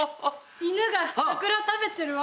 犬が桜食べてるわ。